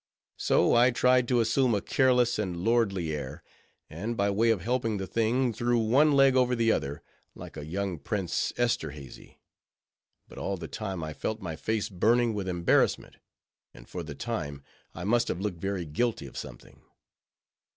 So I tried to assume a careless and lordly air, and by way of helping the thing, threw one leg over the other, like a young Prince Esterhazy; but all the time I felt my face burning with embarrassment, and for the time, I must have looked very guilty of something.